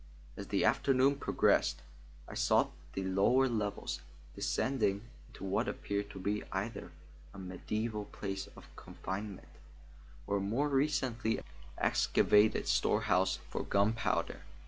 As the afternoon progressed, I sought the lower levels, descending into what appeared to be either a mediaeval place of confinement, or a more recently excavated storehouse for gunpowder.